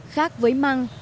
khác với măng